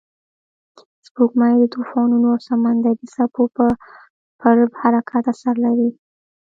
سپوږمۍ د طوفانونو او سمندري څپو پر حرکت اثر لري